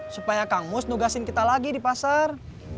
supaya kang mus nugasin kita lagi di pasar